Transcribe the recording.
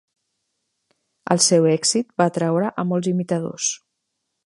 El seu èxit va atraure a molts imitadors.